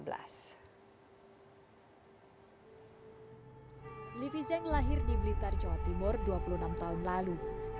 livi zeng lahir di blitar jawa timur dua puluh enam tahun lalu